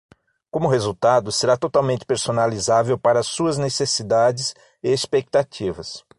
Como resultado, será totalmente personalizável para suas necessidades e expectativas.